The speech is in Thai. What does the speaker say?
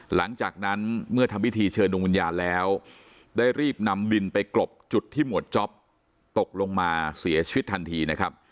หลังจากนั้นเมื่อทำพิธีเชิญดวงวิญญาณแล้วได้รีบนำดินไปกรบจุดที่หมวดจ๊อปตกลงมาเสียชีวิตทันทีนะครับ